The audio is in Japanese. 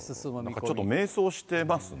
なんかちょっと迷走してますね。